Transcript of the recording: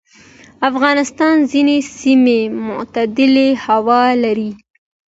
افغانستان ځینې سیمې معتدلې هوا لري.